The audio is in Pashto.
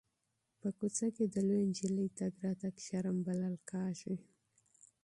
په کوڅه کې د لویې نجلۍ تګ راتګ شرم بلل کېږي.